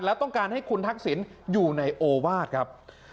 แล้วต้องการให้คุณทักษิณอยู่ในโอวาสครับ